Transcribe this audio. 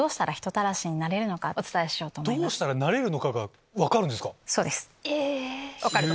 「どうしたらなれるのか」が分かるんですか？